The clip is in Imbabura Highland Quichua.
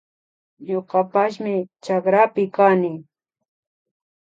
Ñukapashmi chakrapi kani